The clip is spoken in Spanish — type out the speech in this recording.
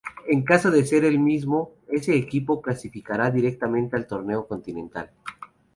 En caso de ser el mismo, ese equipo clasificará directamente al torneo continental.